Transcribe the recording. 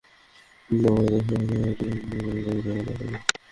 তবে দেশের বাইরে থাকায় দুই থেকে তিনজন এমএনএর পদত্যাগপত্র জমা দেওয়া হয়নি।